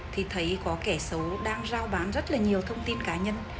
thì thấy có kẻ xấu đang giao bán rất là nhiều thông tin cá nhân